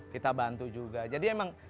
kita bantu juga jadi emang